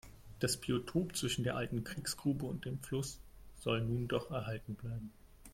Das Biotop zwischen der alten Kiesgrube und dem Fluss soll nun doch erhalten bleiben.